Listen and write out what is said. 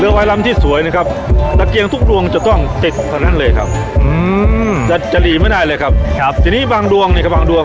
เลือกไวร่ามที่สวยนะครับสะเกียงทุกดวงจะต้องเต็มด้านนั้นเลยครับเราไม่ได้เลยครับทีนี้บางดวงนะครับบางดวง